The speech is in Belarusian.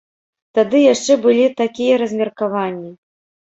Тады яшчэ былі такія размеркаванні.